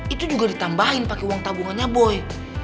itu juga ditambahin pakai uang tabungannya boy